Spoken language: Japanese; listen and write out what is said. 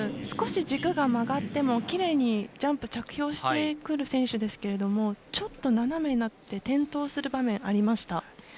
少し軸が曲がってもきれいにジャンプ着氷してくる選手ですけれどもちょっと斜めになって転倒する場面がありました。